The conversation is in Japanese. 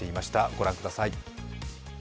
ご覧ください。